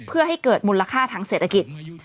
เพื่อให้เกิดมูลค่าทางเศรษฐกิจ